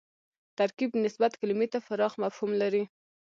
ترکیب نسبت کلیمې ته پراخ مفهوم لري